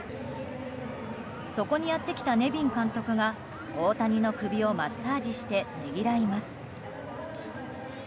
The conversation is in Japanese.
そこにやってきたネビン監督が大谷の首をマッサージしてねぎらいます。